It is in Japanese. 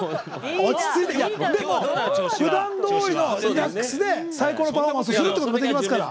でも、ふだんどおりのリラックスで最高のパフォーマンスをするということですから。